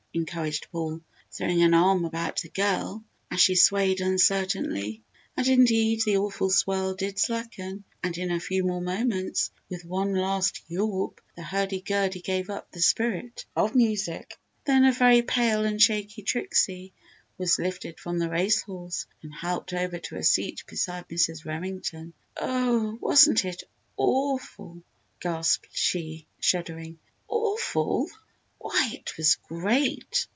encouraged Paul, throwing an arm about the girl as she swayed uncertainly. And indeed, the awful whirl did slacken and in a few more moments, with one last "yawp" the hurdy gurdy gave up the spirit of music. Then a very pale and shaky Trixie was lifted from the race horse and helped over to a seat beside Mrs. Remington. "Oh, wasn't it awful!" gasped she, shuddering. "Awful! Why, it was great!"